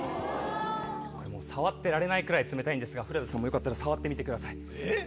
これもう触ってられないくらい冷たいんですが古田さんもよかったら触ってみてください。